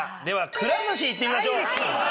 くら寿司いってみましょう！